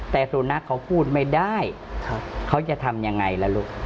แต่สุนัขเขาพูดไม่ได้เขาจะทำยังไงล่ะลูก